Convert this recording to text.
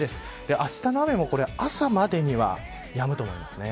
あしたの雨も朝までにはやむと思います。